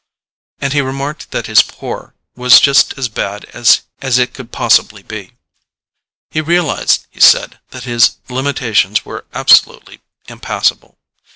And he remarked that his poor was just as bad as it could possibly be. He realized, he said, that his limitations were absolutely impassable.